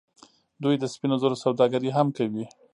دوی د سپینو زرو سوداګري هم کوي.